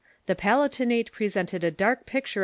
The Palatinate presented a dark picture